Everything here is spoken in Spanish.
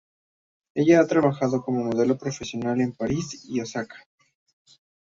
Ella ha trabajado como modelo profesional en París y Osaka.